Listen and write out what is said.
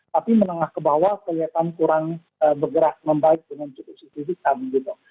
tapi menengah ke bawah kelihatan kurang bergerak membaik dengan situasi krisis kami